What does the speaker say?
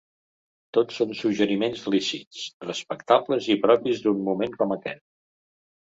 Tots són suggeriments lícits, respectables i propis d’un moment com aquest.